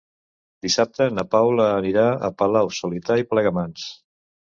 Dissabte na Paula anirà a Palau-solità i Plegamans.